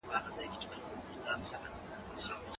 دروازې بندې شوې.